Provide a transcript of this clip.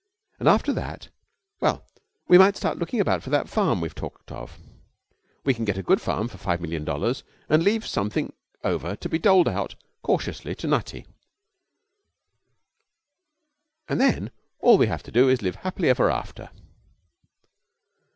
And after that well, we might start looking about for that farm we've talked of. We can get a good farm for five million dollars, and leave something over to be doled out cautiously to Nutty. 'And then all we have to do is to live happily ever after.'